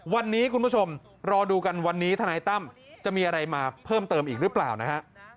วันนี้คุณผู้ชมรอดูกันวันนี้ทนายตั้มจะมีอะไรมาเพิ่มเติมอีกหรือเปล่านะฮะ